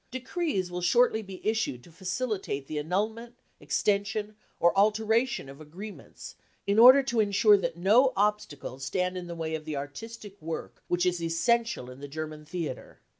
Decrees will shortly be issued to facilitate the annulment, extension or alteration of agreements in order to ensure that no obstacles stand in the way of the artistic work which is essential in the German theatre.